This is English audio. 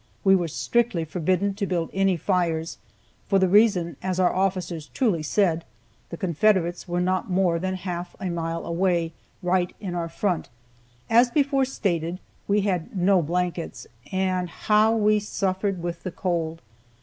We were strictly forbidden to build any fires, for the reason, as our officers truly said, the Confederates were not more than half a mile away, right in our front. As before stated, we had no blankets, and how we suffered with the cold!